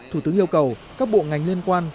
thủ tướng yêu cầu các bộ ngành liên quan